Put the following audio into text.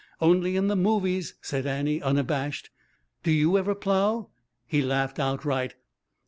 "Only in the movies," said Annie, unabashed. "Do you ever plough?" He laughed outright.